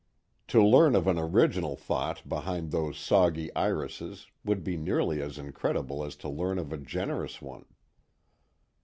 To learn of an original thought behind those soggy irises would be nearly as incredible as to learn of a generous one.